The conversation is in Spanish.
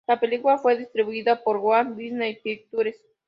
La película fue distribuida por Walt Disney Pictures.